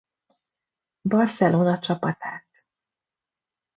Barcelona csapatát.